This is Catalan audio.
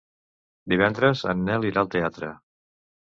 Divendres en Nel irà al teatre.